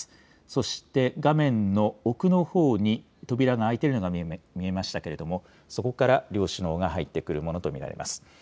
そして画面の奥のほうに扉が開いているのが見えましたけれども、そこから両首脳が入ってくるものと見られます。